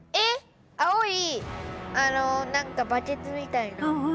青いあの何かバケツみたいな。